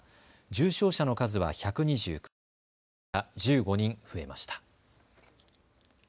重症者の数は１２９人きのうから１５人増えました。